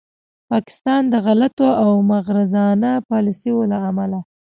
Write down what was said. پاکستان د غلطو او مغرضانه پالیسیو له امله